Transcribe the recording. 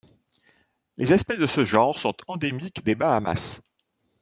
Les espèces de ce genre sont endémiques des Bahamas.